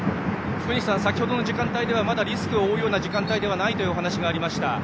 福西さん、先ほどの時間帯ではまだリスクを負うような時間帯ではないというお話もありました。